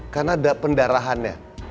karena ada pendarahannya